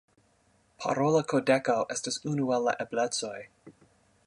Parola kodeko estas unu el la eblecoj.